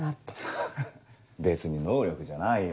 ハハ別に能力じゃないよ。